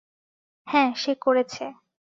হ্যাঁ, সে করেছে।